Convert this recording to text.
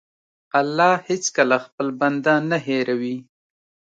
الله هېڅکله خپل بنده نه هېروي.